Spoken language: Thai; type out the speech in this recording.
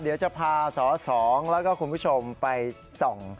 เดี๋ยวจะพาสอสองแล้วก็คุณผู้ชมไปส่อง